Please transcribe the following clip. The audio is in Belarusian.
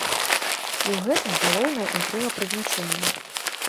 І ў гэтым галоўная інтрыга прызначэння.